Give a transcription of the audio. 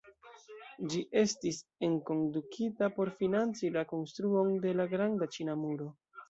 Ĝi estis enkondukita por financi la konstruon de la Granda Ĉina Muro.